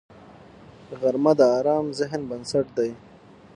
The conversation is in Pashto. غرمه د ارام ذهن بنسټ دی